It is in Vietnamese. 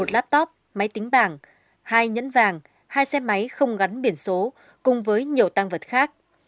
một laptop máy tính bảng hai nhẫn vàng hai xe máy không gắn biển số cùng với nhiều tăng vật khác